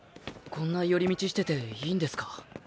こんな寄り道してていいんですか？